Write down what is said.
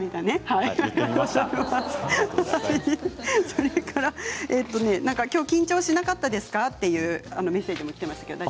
それから、きょう緊張しなかったですか？というメッセージもきています。